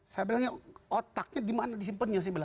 saya bilangnya otaknya dimana disimpan nya